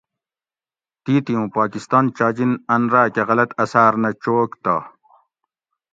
تیتی اُوں پاکستان چاجن اۤن راۤکہ غلط اثاۤر نہ چوگ تہ